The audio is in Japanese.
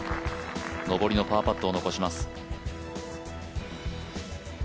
上りのパーパットを残します。